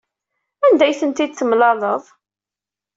Anda ay tent-id-temlaleḍ?